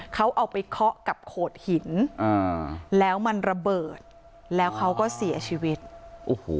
เขาเอาไปเคาะกับโขดหินอ่าแล้วมันระเบิดแล้วเขาก็เสียชีวิตโอ้โห